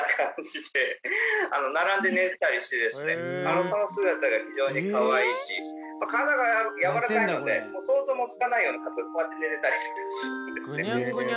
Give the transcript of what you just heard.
ここにこうその姿が非常にかわいいし体がやわらかいので想像もつかないような形でこうやって寝れたりするんです。